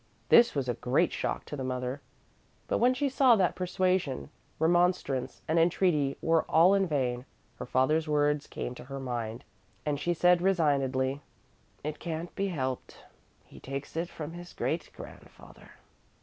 This was a great shock to the mother, but when she saw that persuasion, remonstrance and entreaty were all in vain her father's words came to her mind and she said resignedly, "It can't be helped; he takes it from his great grandfather."